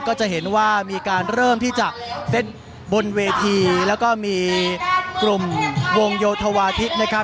ก็จะเห็นว่ามีการเริ่มที่จะเต้นบนเวทีแล้วก็มีกลุ่มวงโยธวาทิศนะครับ